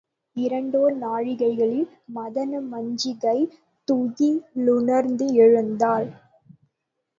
இரண்டோர் நாழிகைகளில் மதன மஞ்சிகை துயிலுணர்ந்து எழுந்தாள்.